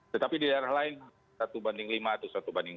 tetapi di daerah lain satu banding lima atau satu banding lima